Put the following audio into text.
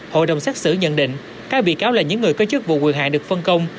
hội đồng xét xử nhận định các bị cáo là những người có chức vụ quyền hạn được phân công